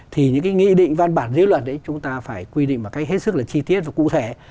thì những cái nghị định văn bản dưới luật chúng ta phải quy định một cách hết sức là chi tiết và cụ thể